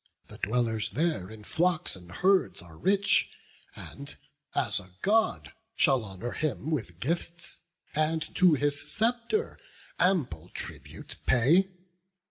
The dwellers there in flocks and herds are rich, And, as a God, shall honour him with gifts, And to his sceptre ample tribute pay.